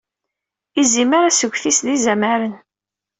Izimer asget-is d izamaren.